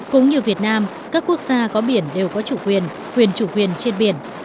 cũng như việt nam các quốc gia có biển đều có chủ quyền quyền chủ quyền trên biển